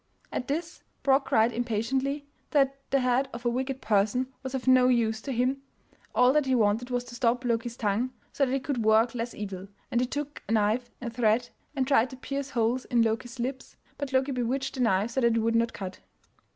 At this Brok cried impatiently that the head of a wicked person was of no use to him, all that he wanted was to stop Loki's tongue so that he could work less evil, and he took a knife and thread and tried to pierce holes in Loki's lips, but Loki bewitched the knife so that it would not cut.